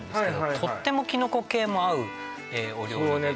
とってもキノコ系も合うお料理でそうね